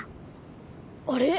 あれ？